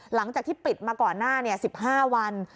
หลังจากที่ปิดมาก่อนหน้า๑๕วัน